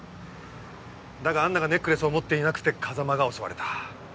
だがアンナがネックレスを持っていなくて風真が襲われた。